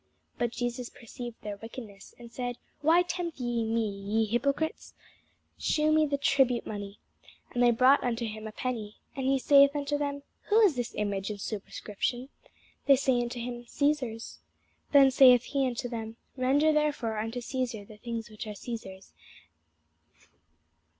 But Jesus perceived their wickedness, and said, Why tempt ye me, ye hypocrites? Shew me the tribute money. And they brought unto him a penny. And he saith unto them, Whose is this image and superscription? They say unto him, Cæsar's. Then saith he unto them, Render therefore unto Cæsar the things which are Cæsar's; and unto God the things that are God's.